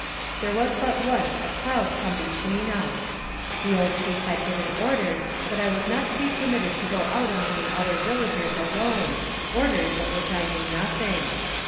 There was but once a cloud come between us. The old chief had given orders that I was not to be per mitted to go out among the other villagers alone, orders of which I knew nothing.